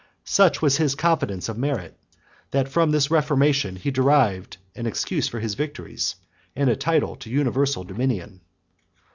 Such was his confidence of merit, that from this reformation he derived an excuse for his victories, and a title to universal dominion.